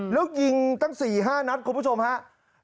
แล้วยิงตั้งสี่ห้านัดผู้ผู้ชมครับ